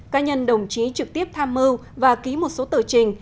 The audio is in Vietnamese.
cá nhân đồng chí trực tiếp tham mưu và ký một số tờ trình